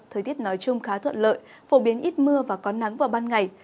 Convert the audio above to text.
thời tiết nói chung khá thuận lợi phổ biến ít mưa và có nắng vào ban ngày